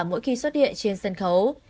mỗi khi xuất hiện trên sân khấu